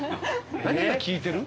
何が効いてる？